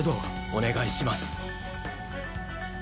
お願いします。